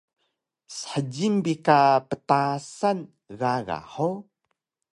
Shjil bi ka ptasan gaga hug?